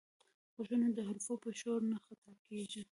غوږونه د حرفو په شور نه خطا کېږي